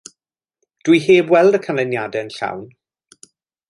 Dw i heb weld y canyniadau llawn.